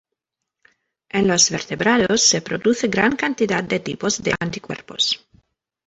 En los vertebrados se produce gran cantidad de tipos de anticuerpos.